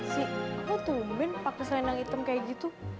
si kok tumben pake selenang hitam kayak gitu